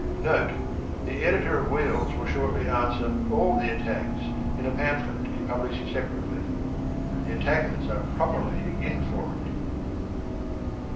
Note.— The Editor of " Wheels " will shortly answer all the attacks in a pamphlet to be published separately. The attackers are properly in for it.